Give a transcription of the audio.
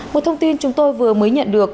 một thông tin chúng tôi vừa mới nhận được